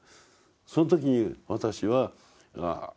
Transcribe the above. その時に私はあ